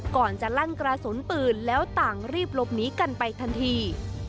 ก่อนจะลั่นกระสุนปืนแล้วต่างรีบหลบหนีกันไปทันที